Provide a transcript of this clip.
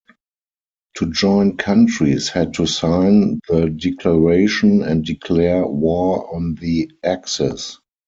To join countries had to sign the Declaration and declare war on the Axis.